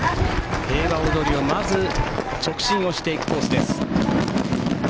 平和大通りをまず直進していくコースです。